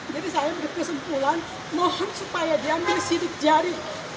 jadi saya berkesimpulan mohon supaya dia ambil sidik jari